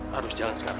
harus jalan sekarang